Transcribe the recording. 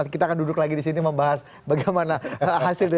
kita akan duduk lagi disini membahas bagaimana hasil